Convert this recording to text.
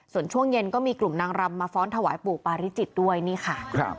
ส่วนช่วงเย็นก็มีกลุ่มนางรำมาฟ้อนถวายปู่ปาริจิตด้วยนี่ค่ะ